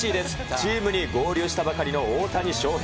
チームに合流したばかりの大谷翔平。